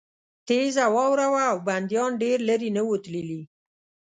تېزه واوره وه او بندیان ډېر لېرې نه وو تللي